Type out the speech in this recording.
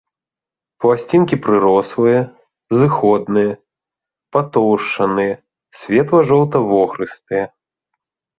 Пласцінкі прырослыя, зыходныя, патоўшчаныя, светла-жоўта-вохрыстыя.